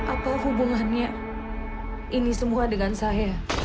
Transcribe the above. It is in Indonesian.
apa hubungannya ini semua dengan saya